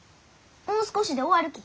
もう少しで終わるき。